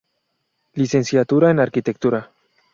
Licenciatura en Arquitectura.